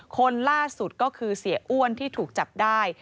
คนล่าสุดก็คือเสียอ้วนที่ถูกจับได้